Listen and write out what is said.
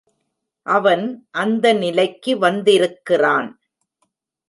அவன் அந்த நிலைக்கு வந்திருக்கிறான்.